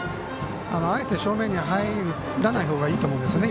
あえて正面に入らないほうがいいと思うんですよね